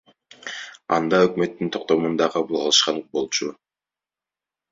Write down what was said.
Анда өкмөттүн токтомун да кабыл алышкан болчу.